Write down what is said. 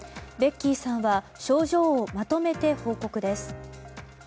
ベッキーさんは症状をまとめて報告です。